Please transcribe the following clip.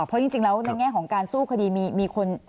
เพราะจริงแล้วในแง่ของการสู้คดีมีคน